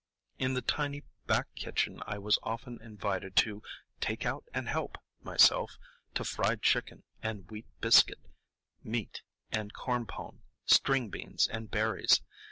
In the tiny back kitchen I was often invited to "take out and help" myself to fried chicken and wheat biscuit, "meat" and corn pone, string beans and berries.